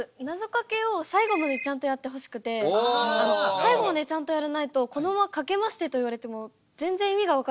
最後までちゃんとやらないとこどもは「かけまして」と言われても全然意味が分からないんですよ。